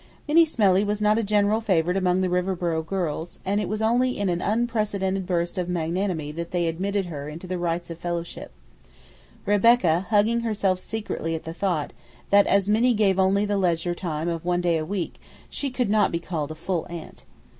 Minnie Smellie was not a general favorite among the Riverboro girls, and it was only in an unprecedented burst of magnanimity that they admitted her into the rites of fellowship, Rebecca hugging herself secretly at the thought, that as Minnie gave only the leisure time of one day a week, she could not be called a "full" Aunt.